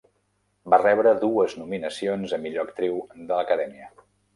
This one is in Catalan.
Va rebre dues nominacions a millor actriu de l'Acadèmia.